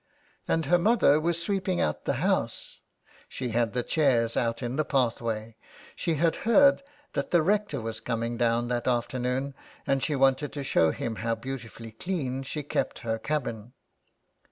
And her mother was sweeping out the house. She had the chairs out in the pathway. She had heard that the rector was coming down that afternoon, and she wanted to show him how beautifully clean she kept the cabin.